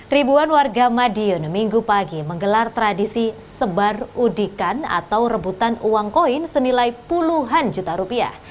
ribuan warga madiun minggu pagi menggelar tradisi sebar udikan atau rebutan uang koin senilai puluhan juta rupiah